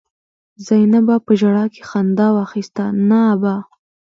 زينبه په ژړا کې خندا واخيسته: نه ابا!